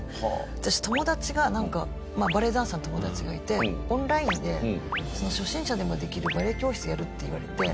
私友達がなんかまあバレエダンサーの友達がいてオンラインで初心者でもできるバレエ教室やるって言われて。